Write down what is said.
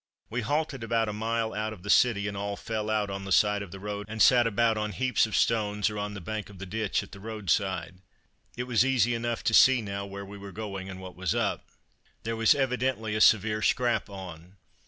We halted about a mile out of the city, and all "fell out" on the side of the road, and sat about on heaps of stones or on the bank of the ditch at the road side. It was easy enough to see now where we were going, and what was up. There was evidently a severe "scrap" on.